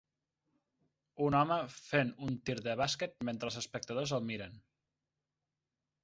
Un home fent un tir de bàsquet mentre els espectadors el miren.